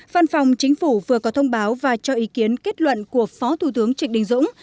văn phòng chính phủ vừa có thông báo và cho ý kiến kết luận của phó thủ tướng trịnh đình dũng